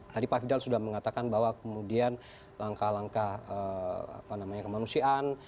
tadi pak fidal sudah mengatakan bahwa kemudian langkah langkah kemanusiaan